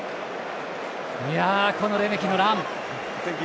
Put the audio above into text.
このレメキのラン。